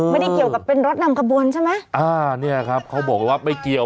ไม่ได้เกี่ยวกับเป็นรถนำขบวนใช่ไหมอ่าเนี่ยครับเขาบอกว่าไม่เกี่ยว